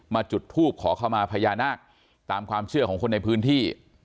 จุดทูบขอเข้ามาพญานาคตามความเชื่อของคนในพื้นที่